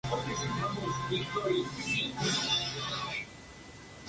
Semilla grande.